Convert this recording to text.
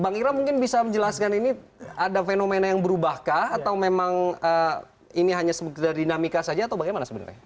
bang ira mungkin bisa menjelaskan ini ada fenomena yang berubahkah atau memang ini hanya dinamika saja atau bagaimana sebenarnya